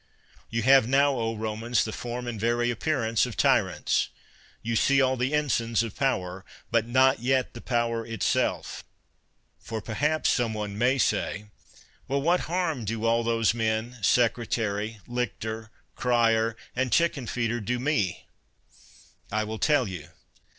You have now, O Romans, the form and very appearance of ty rants; you see all the ensigns of power, but not yet the i)ower itself. For, perhaps, some one may say, Well, what harm do all those men, secretary, lictor, crier, and chicken feeder do met" I will tell you.